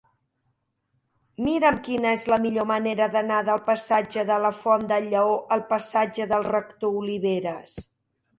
Mira'm quina és la millor manera d'anar del passatge de la Font del Lleó al passatge del Rector Oliveras.